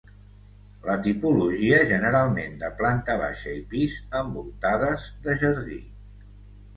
La tipologia generalment de planta baixa i pis, envoltades de jardí.